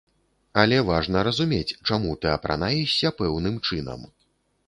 Але важна разумець, чаму ты апранаешся пэўным чынам.